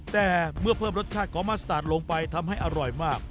แต่เมื่อเพิ่มรสชาติของมาสตาร์ทลงไปทำให้อร่อยมาก